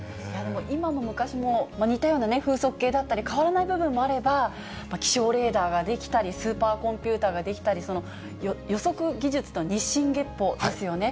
今も昔も似たような風速計だったり、変わらない部分もあれば、気象レーダーが出来たり、スーパーコンピューターが出来たり、予測技術は日進月歩ですよね。